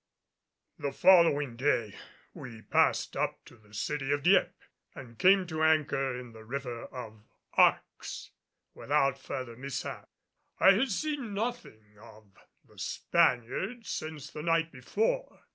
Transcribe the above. The following day we passed up to the city of Dieppe, and came to anchor in the river of Arques without further mishap. I had seen nothing of the Spaniard since the night before.